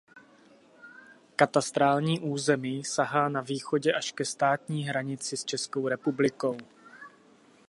Katastrální území sahá na východě až ke státní hranici s Českou republikou.